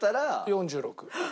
４６。